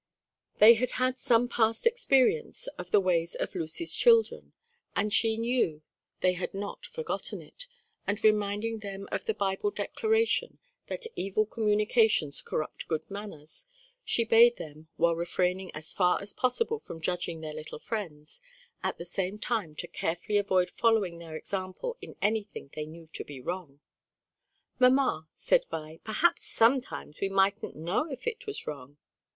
They had had some past experience of the ways of Lucy's children, and she knew they had not forgotten it; and reminding them of the Bible declaration, that "evil communications corrupt good manners," she bade them, while refraining as far as possible from judging their little friends, at the same time to carefully avoid following their example in anything they knew to be wrong. "Mamma," said Vi, "perhaps sometimes we mightn't know if it was wrong!"